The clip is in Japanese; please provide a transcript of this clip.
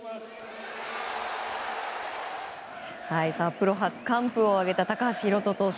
プロ初完封を挙げた高橋宏斗投手。